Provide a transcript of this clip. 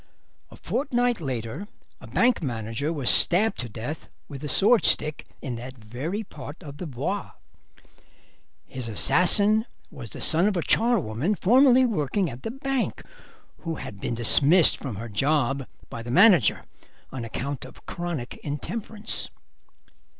A fortnight later a bank manager was stabbed to death with a swordstick in that very part of the Bois. His assassin was the son of a charwoman formerly working at the bank, who had been dismissed from her job by the manager on account of chronic intemperance.